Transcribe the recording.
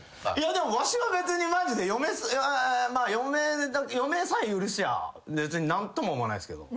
でもわしは別にマジで嫁んまあ嫁嫁さえ許しゃあ別に何とも思わないっすけど。